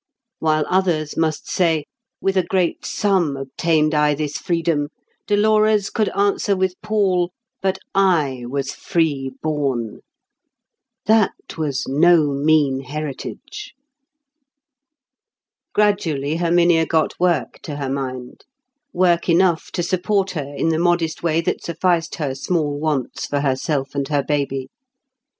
While others must say, "With a great sum obtained I this freedom," Dolores could answer with Paul, "But I was free born." That was no mean heritage. Gradually Herminia got work to her mind; work enough to support her in the modest way that sufficed her small wants for herself and her baby.